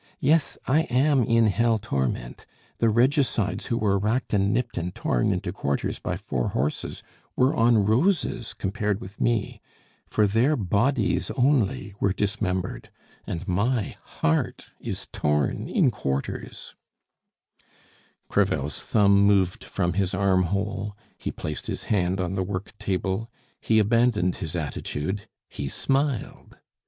Yes, I am in hell torment! The regicides who were racked and nipped and torn into quarters by four horses were on roses compared with me, for their bodies only were dismembered, and my heart is torn in quarters " Crevel's thumb moved from his armhole, he placed his hand on the work table, he abandoned his attitude, he smiled!